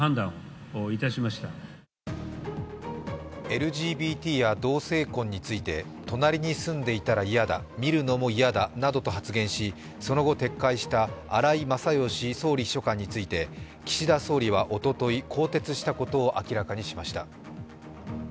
ＬＧＢＴや同性婚について隣に住んでいたら嫌だ、見るのも嫌だなどと発言しその後、撤回した荒井勝喜総理秘書官について、岸田総理はおととい、更迭したことを明らかにしました。